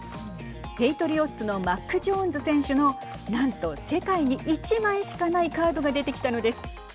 ペイトリオッツのマック・ジョーンズ選手のなんと世界に１枚しかないカードが出てきたのです。